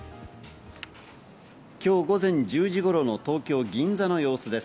今日午前１０時頃の東京・銀座の様子です。